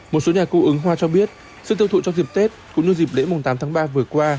một số nhà cung ứng hoa cho biết sức tiêu thụ trong dịp tết cũng như dịp lễ tám tháng ba vừa qua